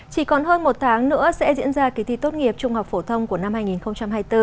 chỉ còn hơn một tháng nữa sẽ diễn ra kỳ thi tốt nghiệp trung học phổ thông của năm hai nghìn hai mươi bốn